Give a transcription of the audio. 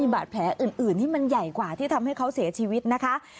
บาดแผลอื่นที่มันใหญ่กว่าที่ทำให้เขาเสียชีวิตนะคะ